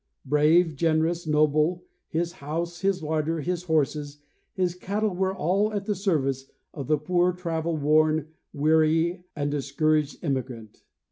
Braye, generous, noble, his house, his larder, his horses, his cattle were all at the service of the poor travel worn, weary and discouraged emigrant.